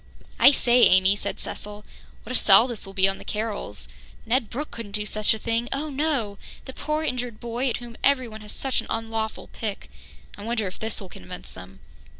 "I say, Amy," said Cecil, "what a sell this will be on the Carrolls! Ned Brooke couldn't do such a thing oh, no! The poor injured boy at whom everyone has such an unlawful pick! I wonder if this will convince them."